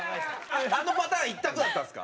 あのパターン１択だったんですか？